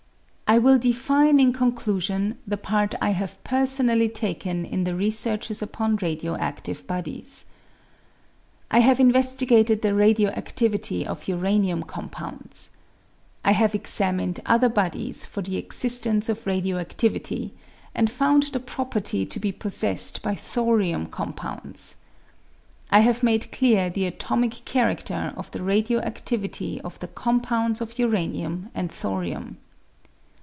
I will define, in conclusion, the part I have personally taken in the researches upon radio adive bodies. I have investigated the radio adivity of uranium com pounds. I have examined other bodies for the existence of radio adivity, and found the property to be possessed by thorium compounds. I have made clear the atomic charader of the radio adivity of the compounds of uranium and thorium.